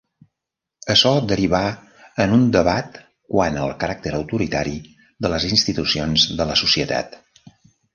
Açò derivà en un debat quant al caràcter autoritari de les institucions de la societat.